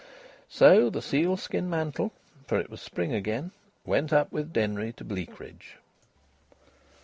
So the sealskin mantle (for it was spring again) went up with Denry to Bleakridge.